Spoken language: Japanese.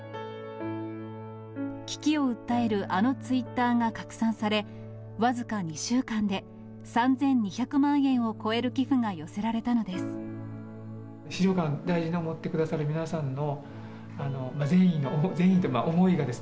危機を訴えるあのツイッターが拡散され、僅か２週間で、３２００万円を超える寄付が寄せられたのです。